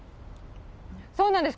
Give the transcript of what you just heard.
そうなんです。